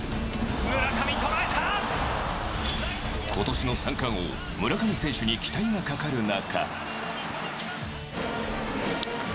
今年の三冠王、村上選手に期待がかかる中。